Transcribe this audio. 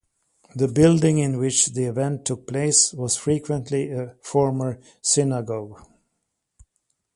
The building in which the event took place was frequently a former synagogue.